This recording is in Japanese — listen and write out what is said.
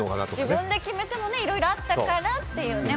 自分で決めてもねいろいろあったからっていうね。